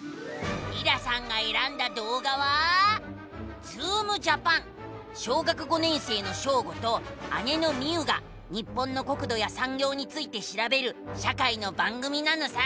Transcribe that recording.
りらさんがえらんだどうがは小学５年生のショーゴと姉のミウが日本の国土やさんぎょうについてしらべる社会の番組なのさ！